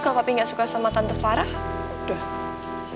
kalo papi gak suka sama tante farah